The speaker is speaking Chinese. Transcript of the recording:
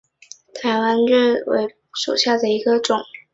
台湾雀稗为禾本科雀稗属下的一个种。